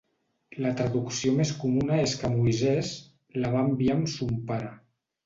La traducció més comuna és que Moisès la va enviar amb son pare.